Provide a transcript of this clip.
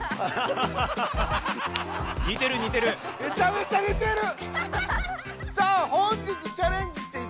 めちゃめちゃ似てる！